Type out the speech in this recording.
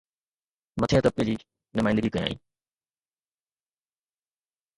مٿئين طبقي جي نمائندگي ڪيائين